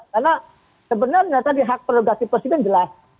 karena sebenarnya tadi hak prerogatif presiden jelas